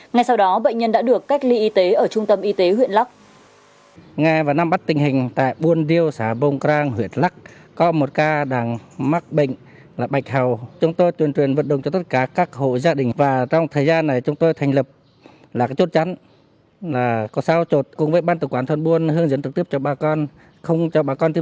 ngay sau đó bệnh nhân đã được cách ly y tế ở trung tâm y tế huyện lắc